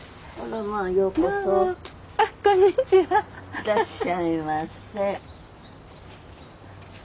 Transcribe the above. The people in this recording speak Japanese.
いらっしゃいませ。